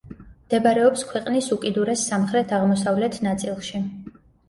მდებარეობს ქვეყნის უკიდურეს სამხრეთ–აღმოსავლეთ ნაწილში.